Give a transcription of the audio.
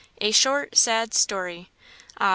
A SHORT, SAD STORY. "Ah!